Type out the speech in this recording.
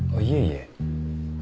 いえいえ。